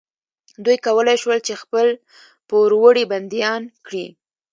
دوی کولی شول چې خپل پوروړي بندیان کړي.